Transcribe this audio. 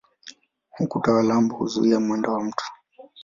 Ukuta wa lambo huzuia mwendo wa mto.